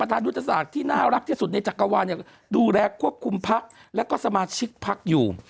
ประธานุทธศักดิ์ที่น่ารักที่สุดในจักรวาลเนี่ยดูแลควบคุมพักและก็สมาชิกพักอยู่